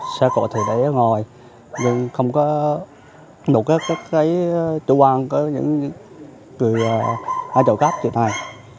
sở cổ thì để ngồi nhưng không có nụ cất các chủ quan của những người ở chỗ cắp như thế này